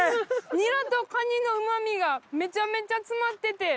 ニラとカニのうま味がめちゃめちゃ詰まってて。